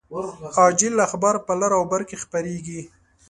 عاجل اخبار په لر او بر کې خپریږي